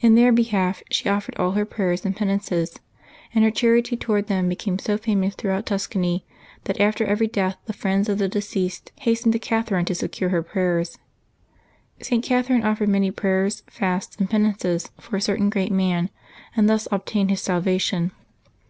In their be half she offered all her prayers and penances; and her charity toward them became so famous throughout Tus cany that after every death the friends of the deceased hastened to Catherine to secure her prayers. St. Cath erine offered many prayers, fasts, and penances for a cer tain great man, and thus obtained his salvation.